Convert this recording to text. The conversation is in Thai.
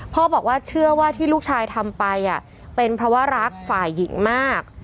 บอกว่าเชื่อว่าที่ลูกชายทำไปเป็นเพราะว่ารักฝ่ายหญิงมาก